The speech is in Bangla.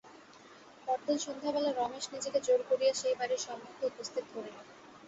পরদিন সন্ধ্যাবেলা রমেশ নিজেকে জোর করিয়া সেই বাড়ির সম্মুখে উপস্থিত করিল।